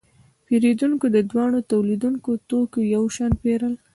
پیرودونکو د دواړو تولیدونکو توکي یو شان پیرل.